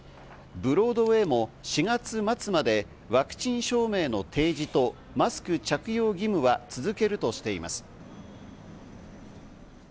ブロードウェーも４月末までワクチン証明の提示とマスク着用義務は続けるとしています。